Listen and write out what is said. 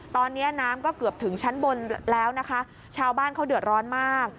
ตอนนี้น้ำก็เกือบถึงชั้นบนแล้วนะคะชาวบ้านเขาเดือดร้อนมาก